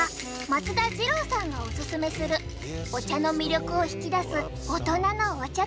松田二郎さんがおすすめするお茶の魅力を引き出す大人のお茶